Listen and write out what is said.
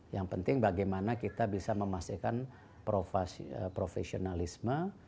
yang penting bagaimana kita bisa memastikan profesionalisme